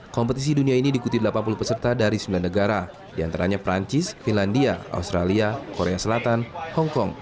kompetisi dunia ini diikuti delapan puluh peserta dari sembilan negara diantaranya perancis finlandia australia korea selatan hongkong